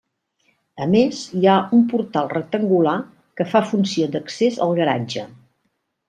A més, hi ha un portal rectangular que fa funció d’accés al garatge.